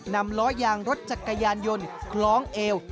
ล้อยางรถจักรยานยนต์คล้องเอว